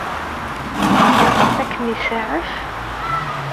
Ad kem-isaɛef?